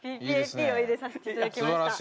ＰＰＡＰを入れさせていただきました。